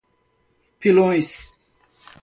Pilões